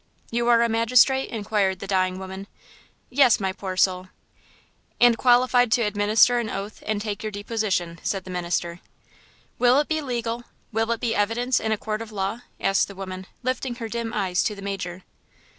"You are a magistrate?" inquired the dying woman. "Yes, my poor soul." "And qualified to administer an oath and take your deposition," said the minister. "Will it be legal–will it be evidence in a court of law?" asked the woman, lifting her dim eyes to the major.